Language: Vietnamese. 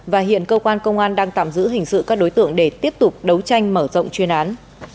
và hiện cơ quan công an đang tạm giữ hình sự các đối tượng để tiếp tục đấu tranh mở rộng chuyên án